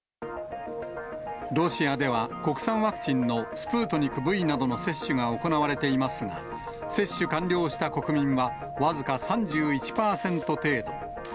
ロシアでは国産ワクチンのスプートニクＶなどの接種が行われていますが、接種完了した国民は僅か３１％程度。